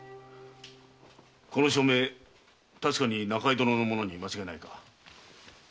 この署名確かに中井殿のものに間違いないか？